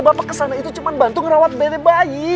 bapak kesana itu cuma bantu ngerawat bete bayi